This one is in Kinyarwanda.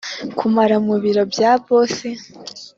kumara mubiro bya boss.